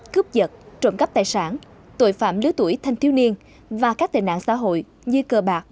cướp vật trộm cắp tài sản tội phạm lứa tuổi thanh thiếu niên và các tệ nạn xã hội như cờ bạc